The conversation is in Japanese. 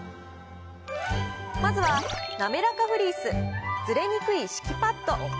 まずはなめらかフリースずれにくい敷パッド。